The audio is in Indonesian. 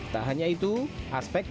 tak hanya itu aspek